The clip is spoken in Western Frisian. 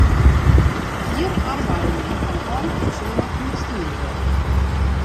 Hjir arbeide men fan heit op soan yn it stiengat.